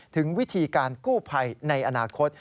ถึงวิธีการกู้ภัยในอนาคต